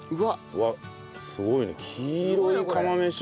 うわっすごいね黄色い釜飯。